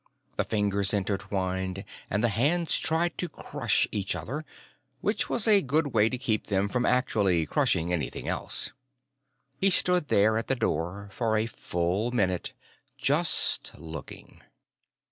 The fingers intertwined, and the hands tried to crush each other, which was a good way to keep them from actually crushing anything else. He stood there at the door for a full minute just looking.